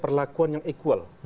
perlakuan yang equal